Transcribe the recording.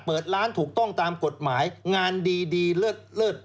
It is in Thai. เปิดร้านถูกต้องตามกฎหมายงานดีดีเลิศเลิศ